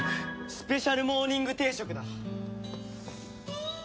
スペシャルモーニング定食だ。